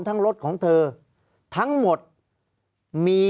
ภารกิจสรรค์ภารกิจสรรค์